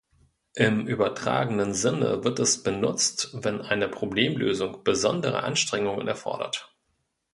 Im übertragenen Sinne wird es benutzt, wenn eine Problemlösung besondere Anstrengungen erfordert.